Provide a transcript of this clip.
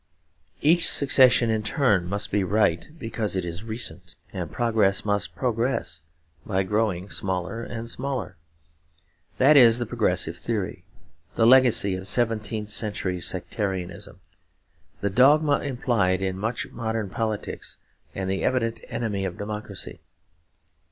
Each secession in turn must be right because it is recent, and progress must progress by growing smaller and smaller. That is the progressive theory, the legacy of seventeenth century sectarianism, the dogma implied in much modern politics, and the evident enemy of democracy.